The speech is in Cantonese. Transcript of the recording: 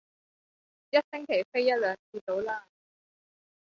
一星期飛一兩次到啦